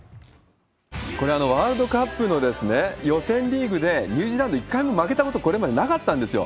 これ、ワールドカップの予選リーグでニュージーランド、一回も負けたこと、これまでなかったんですよ。